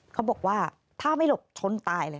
เขาบอกว่าถ้าไม่หลบชนตายเลย